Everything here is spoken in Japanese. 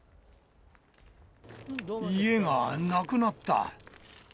家がなくなった。